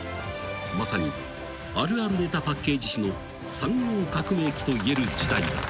［まさにあるあるネタパッケージ史の産業革命期といえる時代だった］